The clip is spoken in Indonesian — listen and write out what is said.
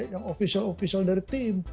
yang official dari tim